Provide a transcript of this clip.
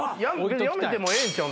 辞めてもええんちゃう？